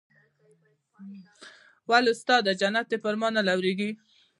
ولې استاده جنت دې پر ما نه لورېږي.